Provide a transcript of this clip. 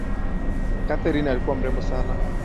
Katherine alikuwa mrembo sana